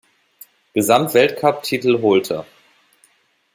Gesamtweltcup-Titel holte.